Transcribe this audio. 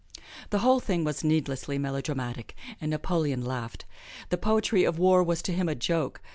The whole thing was needlessly melodramatic, and Napoleon laughed. The poetry of war was to him a joke.